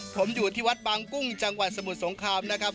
ผมอยู่ที่วัดบางกุ้งจังหวัดสมุทรสงครามนะครับ